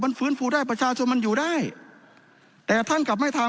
ฟื้นฟูได้ประชาชนมันอยู่ได้แต่ท่านกลับไม่ทำ